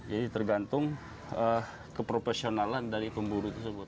jadi tergantung keprofesionalan dari pemburu tersebut